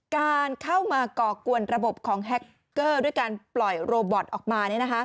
การเข้ามาก่อกวนระบบของแฮคเกอร์ด้วยการปล่อยโรบอตออกมา